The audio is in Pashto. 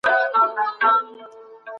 تېر او راتلونکی سره وتړئ.